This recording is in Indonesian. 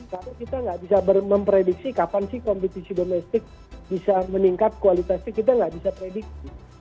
karena kita nggak bisa memprediksi kapan sih kompetisi domestik bisa meningkat kualitasnya kita nggak bisa prediksi